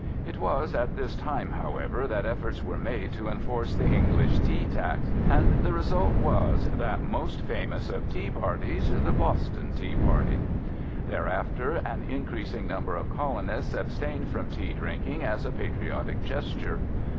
" It was at this time, however, that efforts were made to enforce the English tea tax and the result was that most famous of tea parties, the "Boston Tea Party." Thereafter, an increasing number of colonists abstained from tea drinking as a patriotic gesture.